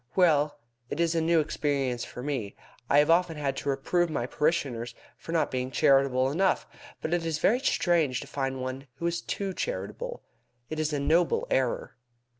Well, it is a new experience to me. I have often had to reprove my parishioners for not being charitable enough, but it is very strange to find one who is too charitable. It is a noble error."